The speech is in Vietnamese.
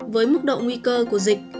với mức độ nguy cơ của dịch